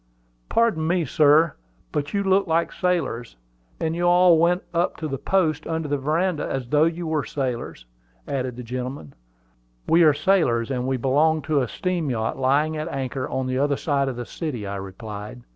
"Pardon me, sir; but you look like sailors; and you all went up the posts under the veranda as though you were sailors," added the gentleman. "We are sailors, and we belong to a steam yacht lying at anchor on the other side of the city," I replied.